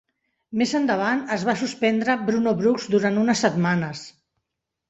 Més endavant es va suspendre Bruno Brooks durant unes setmanes.